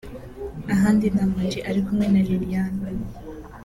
ahandi ni Ama G ari kumwe na Liliane